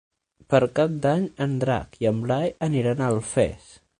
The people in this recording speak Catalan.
Per Cap d'Any en Drac i en Blai aniran a Alfés.